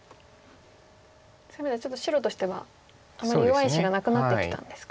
そういう意味ではちょっと白としてはあまり弱い石がなくなってきたんですか。